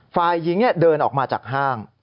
ฝ่ายหญิงเดินออกมาจากห้าง